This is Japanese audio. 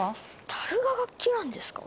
たるが楽器なんですか？